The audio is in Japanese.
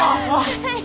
はい。